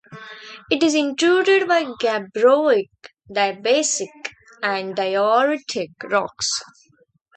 It is intruded by gabbroic, diabasic, and dioritic rocks.